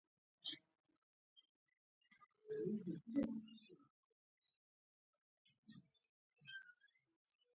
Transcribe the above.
مچان د وجود پر تودو برخو کښېني